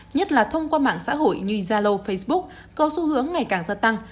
nhất là thông qua mạng xã hội như zalo facebook có xu hướng ngày càng gia tăng